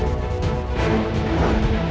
ini mah aneh